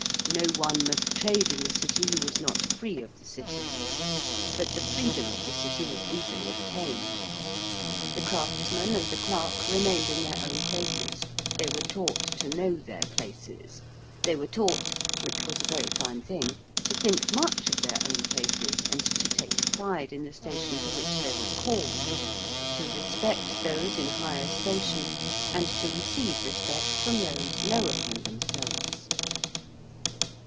No one must trade in the City who was not free of the City. But the freedom of the City was easily obtained. The craftsman and the clerk remained in their own places: they were taught to know their places: they were taught, which was a very fine thing, to think much of their own places and to take pride in the station to which they were called: to respect those in higher station and to receive respect from those lower than themselves.